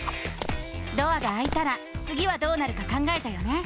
ドアがあいたらつぎはどうなるか考えたよね？